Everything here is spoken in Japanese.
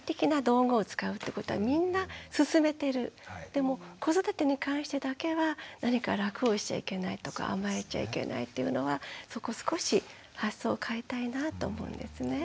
でも子育てに関してだけは何か楽をしちゃいけないとか甘えちゃいけないっていうのはそこ少し発想を変えたいなと思うんですね。